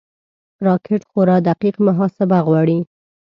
راکټ خورا دقیق محاسبه غواړي